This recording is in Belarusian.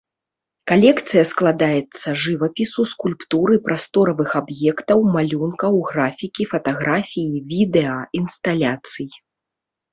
Калекцыя складаецца жывапісу, скульптуры, прасторавых аб'ектаў, малюнкаў, графікі, фатаграфіі, відэа, інсталяцый.